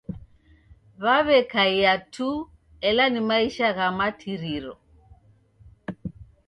Waw'ekaia tu ela ni maisha gha matiriro.